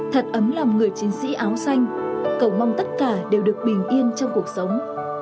thật ấm lòng người chiến sĩ áo xanh cầu mong tất cả đều được bình yên trong cuộc sống